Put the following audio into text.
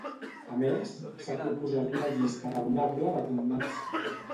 A més, s'ha proposat una llista raonable de cognats.